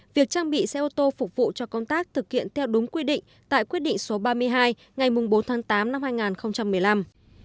việc trang bị xe ô tô phục vụ cho công tác thực hiện theo đúng quy định tại quyết định số ba mươi hai ngày bốn tháng tám năm hai nghìn một mươi năm